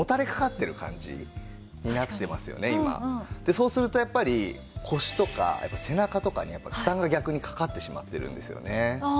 そうするとやっぱり腰とか背中とかに負担が逆にかかってしまってるんですよね。